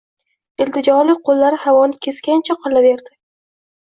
Iltijoli qo‘llari havoni kesgancha qolaverdi.